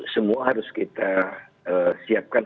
semua harus kita siapkan